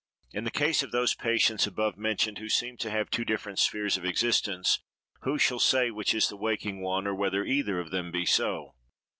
In the case of those patients abovementioned, who seem to have two different spheres of existence, who shall say which is the waking one, or whether either of them be so?